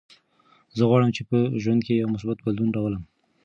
زه غواړم چې په ژوند کې یو مثبت بدلون راولم.